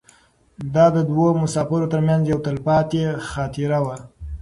دا د دوو مسافرو تر منځ یوه تلپاتې خاطره وه.